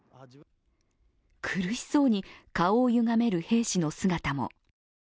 苦しそうに顔をゆがめる兵士の姿も。